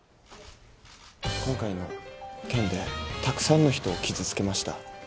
今回の件でたくさんの人を傷つけました。